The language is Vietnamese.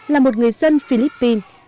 là một người dân philippines